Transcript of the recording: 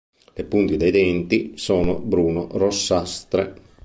Le punte dei denti sono bruno-rossastre.